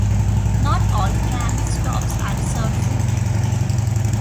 Not all tram stops are served full-time.